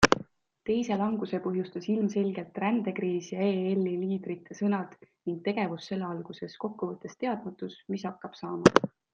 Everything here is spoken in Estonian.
Teise languse põhjustas ilmselgelt rändekriis ja ELi liidrite sõnad ning tegevus selle alguses - kokkuvõttes teadmatus, mis hakkab saama.